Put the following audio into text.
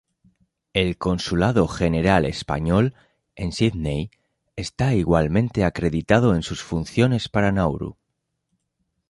El consulado general español en Sidney está igualmente acreditado en sus funciones para Nauru.